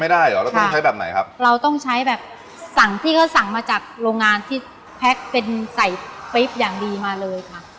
ไม่ได้เหรอแล้วต้องใช้แบบไหนครับเราต้องใช้แบบสั่งที่เขาสั่งมาจากโรงงานที่เป็นใส่อย่างดีมาเลยค่ะ